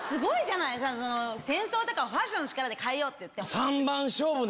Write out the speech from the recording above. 戦争とかをファッションの力で変えようって。